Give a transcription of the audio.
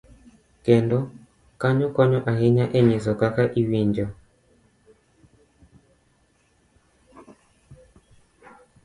kendo, kanyo konyo ahinya e nyiso kaka iwinjo